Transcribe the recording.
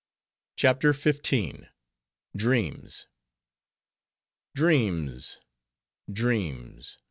CHAPTER XV. Dreams Dreams! dreams!